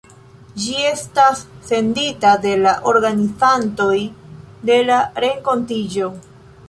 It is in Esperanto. Ĝi estas sendita de la organizantoj de la renkontiĝo.